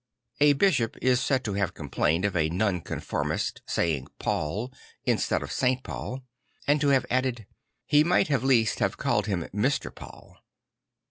A bishop is said to have complained of a Nonconformist saying Paul instead of Saint Pa ul ; and to have a dded II He might at least have called him Mr. Paul."